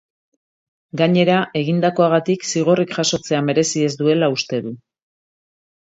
Gainera, egindakoagatik zigorrik jasotzea merezi ez duela uste du.